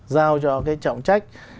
giao cho cái trọng trách